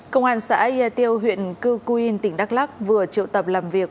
công an xã yatio huyện cư quyên tỉnh đắk lắc vừa triệu tập làm việc